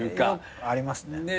ありますね。